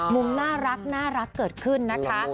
มุมน่ารักเกิดขึ้นนะคะ